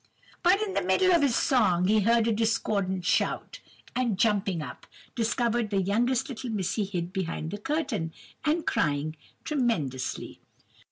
"But, in the middle of his song, he heard a discordant shout, and jumping up, discovered the youngest little Missy hid behind the curtain, and crying tremendously.